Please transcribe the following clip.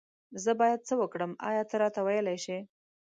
زه بايد سه وکړم آيا ته راته ويلي شي